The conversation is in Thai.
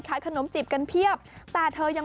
ขนมจีบกันเพียบแต่เธอยัง